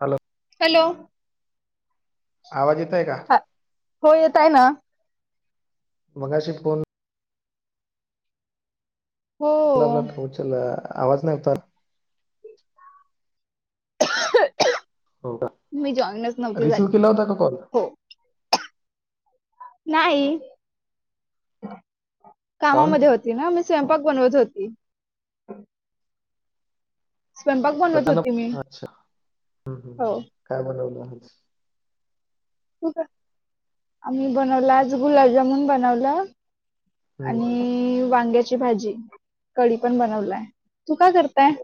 Hello. Hello. आवाज येतोय का. हा हो येत आहे ना. मघाशी फोन. हो लावला तर उचलला आवाज नाहीवता. हो का मी जॉईनच नव्हती झाली रिसिव केला होता का कॉल. हो नाही काऊन कामामध्ये होत. ती ना मी स्वयंपाक बनवत होती. स्वयंपाक [inaudible] बनवत होती मी अच्छा हो काय बनवल आज तू का [inaudible] आम्ही बनवल आज गुलाबजामुन बनवलं. हम्म, हम्म. आणि वांग्याची भाजी कढी पण बनवलाय तू काय करताय.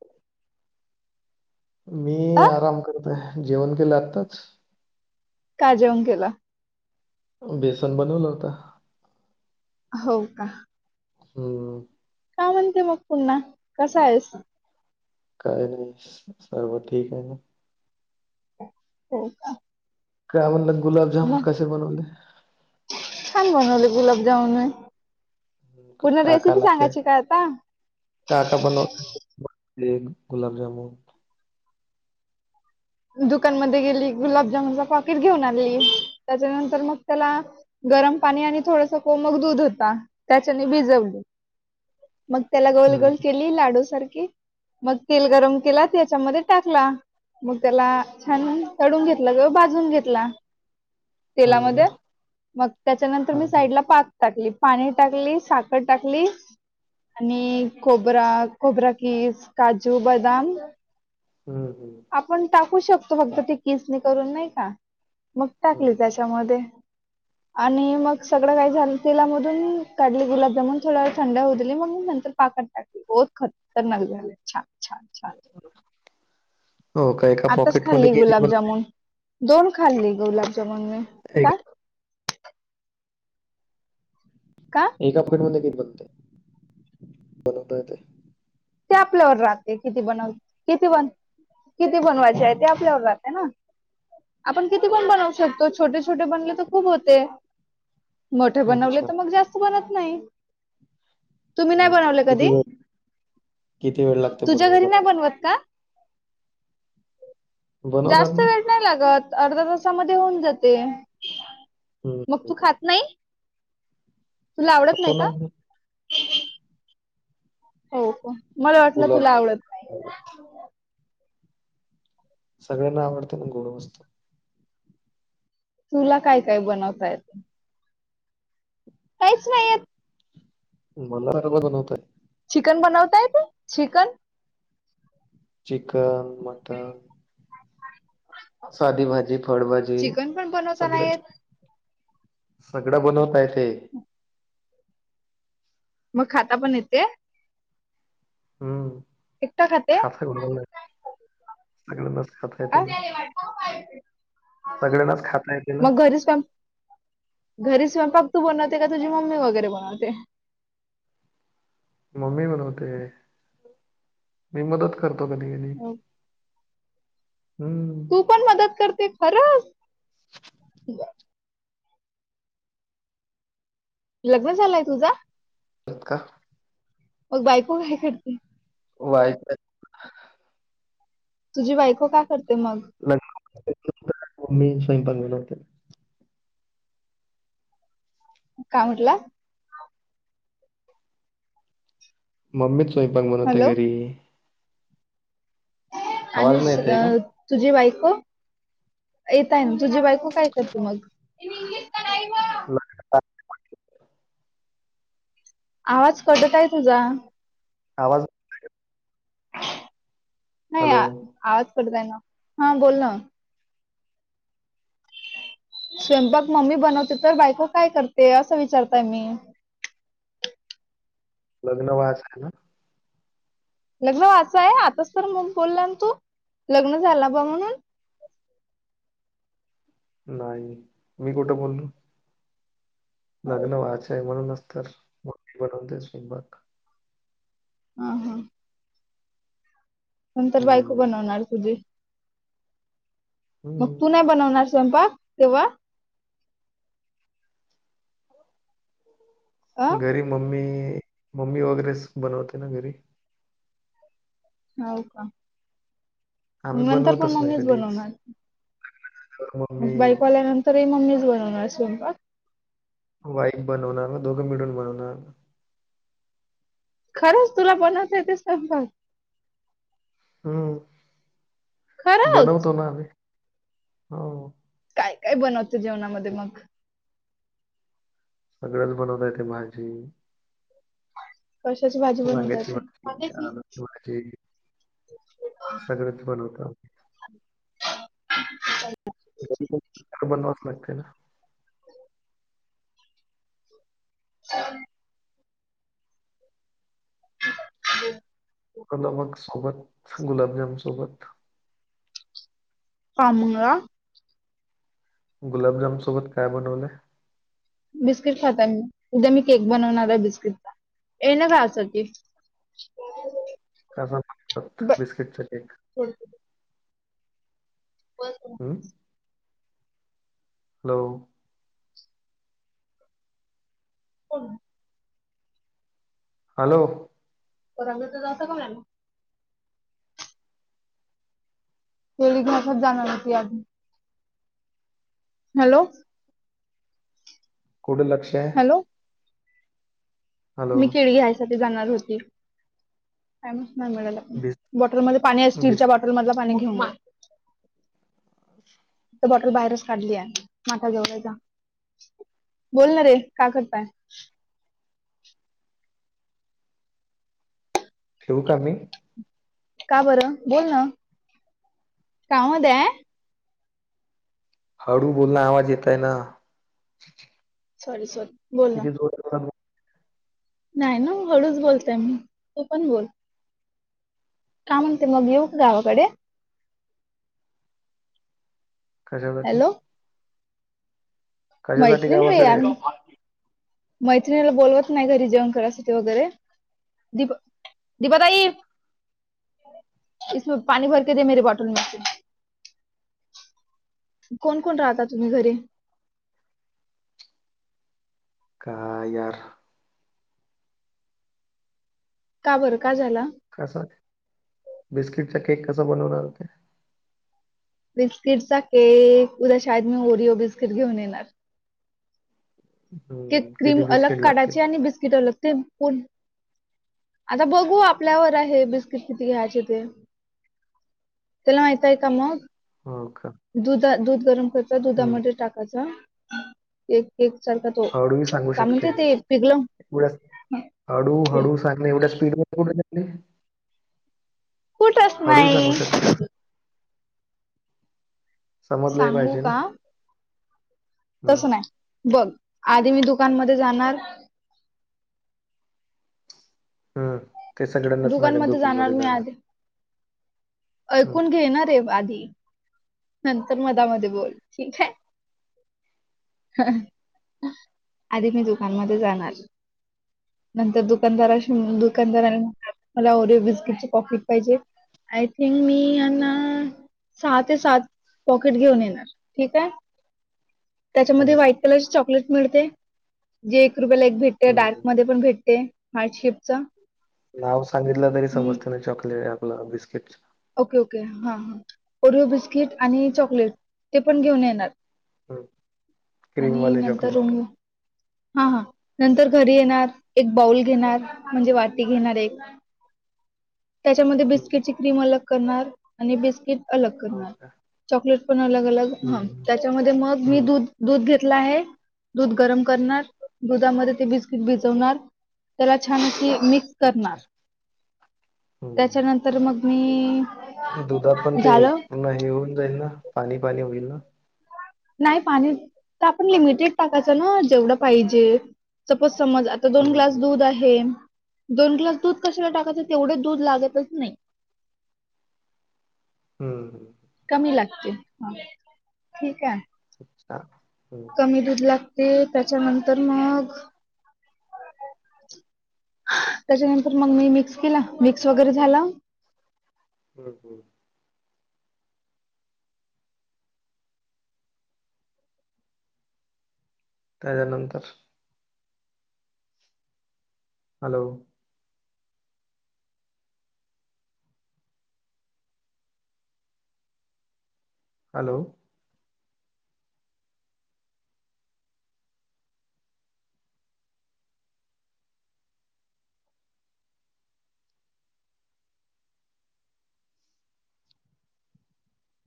मी अ आराम करतय जेवण केलंय आताच. काय जेवन केल. बेसन बनवलं होत. हो का. हो हो. काय म्हणते मग पुन्हा कसा आहेस. काय नाही सर्व ठीक आहे ना. हो का. काय म्हणलं गुलाबजाम मग कसे बनवले. छान बनवले गुलाबजामुन मी हम्म, का पूर्ण का का रेसिपी लागते सांगायची काय आता. का का बन [inaudible] गुलाबजामुन दुकानमध्ये गेली गुलाबजामुनचा पॉकीट घेऊन आली त्याच्यानंतर मग त्याला. गरम पाणी आणि थोडस कोमक दूध होता त्याच्याने भिजवली. मग त्याला गोल हम्म, गोल केली लाडू सारखी. मग तेल गरम केला त्याच्यामध्ये टाकला. मग त्याला छान तडून घेतलं ग बाजून घेतला. हो तेलामध्ये का? मग त्याच्यानंतर हा हा मी साईडला पाक. टाकली पाणी टाकली साखर टाकली. आणि खोबरा खोबरा किस काजू बदाम. हम हम. आपण टाकू शकतो फक्त ती किस् करून नाही का मग टाकली हम्म. त्याच्यामध्ये. [inaudible] आणि मग सगळं काय झालं तेलामधून काढले गुलाबजामुन थोड्यावेळ थंड होऊ दिली मग मी नंतर पाकात टाकल. बहोत खतरनाक झालं छान छान छान. हो काय का. आताच पॉकेटमध्ये खाल्ली किती बन गुलाबजामुन दोन खाल्ली गुलाबजामुन मी. का एकेकदा. का. एका फंड मध्ये किती बनते बनवता येत. ते आपल्यावर राहते किती बनव किती बन. किती बनवायचे आहे ते आपल्यावर राहतेय ना. आपण किती पण हो. बनवू शकतो छोटे छोटे बनले तर खूप होते. मोठे बनवले अच्छा. तर मग जास्त बनत नाही तुम्ही नाही हं, हं. बनवले कधी. किती वेळ किती वेळ लागते तुझ्या घरी नाही बनवायसाठी? बनवत का. बनवतात जास्त ना. वेळ नाही लागत अर्धा तासामध्ये होऊन जाते. हम. मग तू खात नाही, तुला आवडत खातो नाही ना का. आम्ही हो हो मला वाटलं तुला आवडत नाही. हॅलो! सगळ्यांना आवडते ना गोड वस्तू. तुला काय काय बनवता येत? काहीच नाही येत. मला [unintelligible] चिकन बनवता येत, चिकन चिकन, मटन, साधी भाजी, फळभजी चिकन पण बनवता नाही सगळेच. येत. सगळं बनवता येतंय. मग खाता पण येते? हम्म, एकटं खाते? खात सगळस खाता येते आ? ना. सगळ्यांनाच खाता येते ना. मग घरीच सप घरी स्वयंपाक तू बनवते, का तुझी मम्मी वगैरे बनवते. मम्मी बनवते. मी मदत करतो कधी कधी हम्म! त पण मदत करते खरच. लग्न झालंय तुझ? हो का. मग बायको काय करते. वाईट तुझी बायको काय् करते मग, [unintelligible] मम्मि स्वयंपाक बनवते. काय म्हटलास. मम्मीच सोयंपाक बनवते हॅलो घरी. आवाज आणि नाही येत आहे का? अ तुझी बायको, येतय ना तुझी बायको काय करते मग? [unintelligible] आवाज कटत आहे तुझा. आवाज नाही हॅलो. आवाज करतोय ना, हा बोल ना! स्वयंपाक मम्मी बनवते, तर बायको काय करते असं विचारताय मी‌ लग्न वास आहे ना. लग्न व्हायचंय आहे, आताच तर मग बोलला ना तू, लग्न झाला बा म्हणून. नाही मी कुठं बोललो. हो. लग्न व्हायचय म्हणूनच तर मम्मी बनवते स्वयंपाक. हा, हा! नंतर बायको हं. बनवणार तुझी, मग हं. तू नाही बनवणार स्वयंपाक तेव्हा? अ घरी मम्मी मम्मी वगैरेच बनवते ना घरी. हो का, आम्ही नंतर पण बनवतच नाही मम्मीच कधीच. बनवणार. तर मम्मी मग बाईको आल्यानंतरही मम्मीच बनवणार स्वयंपाक. वाईफ बनवणार ना दोघं मिळून बनवणार. खरंच तुला बनवता येतंय स्वयंपाक. हम्म, खरंच? बनवतो ना आम्ही हो. काय काय बनवतं जेवणामध्ये मग सगळंच बनवता येते भाजी, कशाची भाजी वांग्याची बनवतात‌. भाजी, आलूची सगळंच बनवत. बनवासं लागते ना. ह हो कलमग सोबत गुलाबजाम सोबत पामुंग गुलाबजाम सोबत काय बनवलंय. बिस्किट खाता मी उद्या मी केक बनवणार आहे बिस्किटचा ये ना कां की हो कसा बिस्किटचा केक ब ह [inaudible] हॅलो हो हॅलो परसां काय ना तेळी घ भाषा जा न ती आण. हॅलो कडं लक्ष आहे. हॅलो हॅलो मी केळगी हायसाठी जाणार होती. कामच नाही मिळेल आपण बिस बॉटलमध्ये पाणी आहे स्टीलच्या बिस बॉटल मध पाणी घेऊग. अ बॉटल बाहेरच काढली आहे माठा जेवळचा बोलणार रे का करताय. ठेऊू का मी का बरं बोल ना कामध्ये आहे. हळू बोलण आवाज येतय ना सॉरी सॉरी बोल इ ना नाही ना हळूच बोलतय मी तो पण बोल काय म्हणते मग येऊ का गावाकडे कशासाठी हॅलो कशासाठी मैत्रीण रे यार गावाकडे मैत्रिणीला बोलवत नाही घरी जें करासाठी वगैरे दीप दीपा ताई इमे पाणी भर के दे मेरी बॉटल मे कोण कोण राहता तुम्ही घरी कायर का बरं का झाला. कसा बिस्किटचा केक कसा बनवणार होते. बिस्किटचा केक उद्या शाद मी ओरिओ बिस्किट घेऊन येणार ते हम्म, क्रीम किती अलग बिस्किट लागतील काढाची आणि बिस्किट अलग ते प आता बघू आपल्यावर आहे बिस्किट किती घ्यायचे ते त्याला माहित आहे का मग हो का दुधा दूध गरम कयचा हम्म दुधामध्ये टाकायचा एक सारखा तो ड सांगू काय शकते. म्हणते ते पिघलं एवढ्या हळू हळू सांग एवढ्या स्पीड मठली कुठंच हळू सांगू नाही शकता ना समजलंय सांगू पाहिजे ना का हं, तसं नाही बघ आधी मी दुकानमध्ये जाणार हम्म ते सगळ्यांनाच माझ्या दुकानमध्ये दुकनमध्येध्ये मी जाणार आधी हं, ऐकून घेणारे आधी नंतर मधमध्येध्ये बोल ठीक आहे आधी मी दुकानमध्ये जाणार नंतर दुकानदाराशी दुकानदारा मला ओरिओ बिस्किटचे पाकिट पाहिजे आय थिंक मी यांना सहा ते सात पॉकेट घेऊन येणार ठीक आहे त्याच्यामध्ये हं, व्हाईट कलरची चॉकलेट मिळते त्या हं, डार्क हं. मध्ये पण भेटते हार्ड शेपच नाव सांगितलं तरी समजतेना चॉकलेट आपलं बिस्किटच ओके ओके हा हा ओरिओ बिस्किट आणि चॉकलेट ते पण घेऊन येणार हं. आणि क्रीमवाले नंतर चॉकलेट. रुम हा हा नंतर घरी येणार एक बाऊल घेणार म्हणजे हं, वाटी घेणार एक त्याच्यामध्ये हं. बिस्किटची क्रीम अलग करणार आणि बिस्किट अलग हो करणार का? चॉकलेट पण अलग अलग हा हं, त्याच्यामध्ये मग मी हं. दूध दूध घेतला आहे दूध गरम करणार दुधामध्ये ते बीस्क िजवणार त्याला छान मिक्स अच्छा. करणार हं. त्याच्यानंत तर मग मी दुधात पण ते झालं पूर्ण हे होऊन जाईल ना पाणी पाणी होईल ना नाही पाणी ताप लिमिटेड टाकायचं ना जेवढं पाहिजे सपोज समज आता हं, दोन ग्लास हं. दूध आहे थेंब दोन ग्लास दूध कशाला टाकायचं तेवढे दूध लागतच नाही हम्म ह कमी लागते ह ठीक आहे अच्छा हो कमी दूध लागते त्याच्यानर मग त्याच्यानंतर मग मी मिक्स केला मिक्स वगैरे झाला होम होम त्याच्यानंतर हॅलो हॅलो